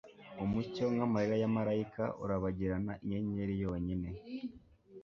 Umucyo nkamarira ya marayika urabagirana inyenyeri yonyine